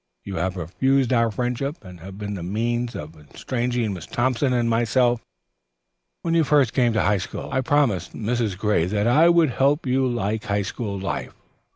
You have refused our friendship and have been the means of estranging Miss Thompson and myself. "When first you came to High School, I promised Mrs. Gray that I would help you to like High School life.